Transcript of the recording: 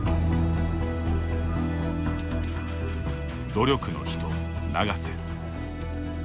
努力の人・永瀬。